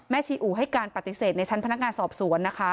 ชีอู่ให้การปฏิเสธในชั้นพนักงานสอบสวนนะคะ